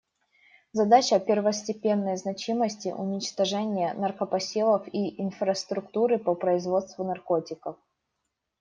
Задача первостепенной значимости — уничтожение наркопосевов и инфраструктуры по производству наркотиков.